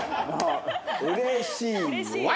うれしいＹ！